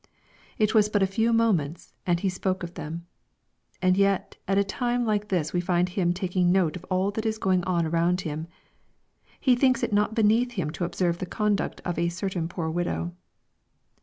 It was but a few moments and he spoke of them. — And yet at a time like this we find Him taking note of all that is going on around Him ! He thinks it not beneath Him to observe the conduct of a '^ certain poor widow."